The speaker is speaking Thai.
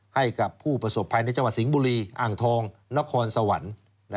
ให้กับผู้ประสบภัยในจังหวัดสิงห์บุรีอ่างทองนครสวรรค์